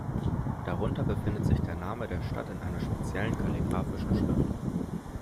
Darunter befindet sich der Name der Stadt in einer speziellen kalligrafischen Schrift.